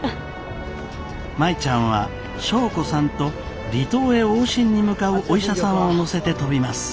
舞ちゃんは祥子さんと離島へ往診に向かうお医者さんを乗せて飛びます。